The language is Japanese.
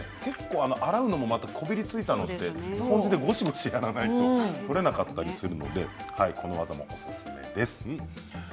洗うのもまたこびりついたりスポンジでゴシゴシやらないと取れなかったりするのでこの技もおすすめです。